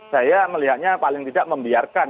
saya melihatnya paling tidak membiarkan